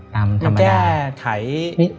ตามธรรมดา